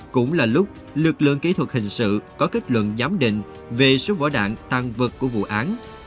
cũng là lúc lực lượng kỹ thuật hình sự có kết luận giám định về số vỏ đạn tăng vật của vụ án